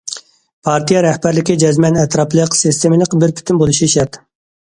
پارتىيە رەھبەرلىكى جەزمەن ئەتراپلىق، سىستېمىلىق، بىر پۈتۈن بولۇشى شەرت.